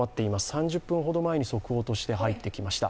３０分ほど前に速報として入ってきました。